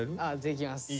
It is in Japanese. いけます。